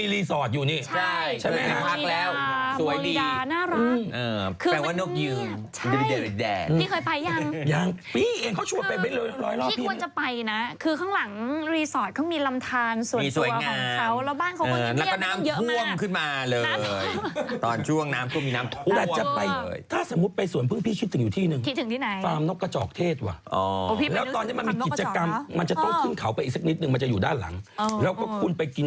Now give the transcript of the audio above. คือข้างหลังรีสอร์ตเขามีลำทานส่วนตัวของเขามีสวยงามแล้วบ้านเขาก็มีเยอะมากแล้วก็น้ำคว่มขึ้นมาเลยตอนช่วงน้ำก็มีน้ำคว่มแต่จะไปถ้าสมมุติไปสวนพึ่งพี่คิดถึงอยู่ที่หนึ่งคิดถึงที่ไหนฟาร์มนกกระจอกเทศว่ะอ๋อแล้วตอนนี้มันมีกิจกรรมมันจะโต้ขึ้นเขาไปอีกสักนิ